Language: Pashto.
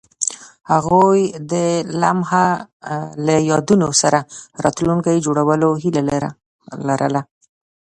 هغوی د لمحه له یادونو سره راتلونکی جوړولو هیله لرله.